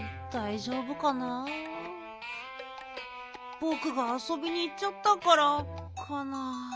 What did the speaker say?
ぼくがあそびにいっちゃったからかな。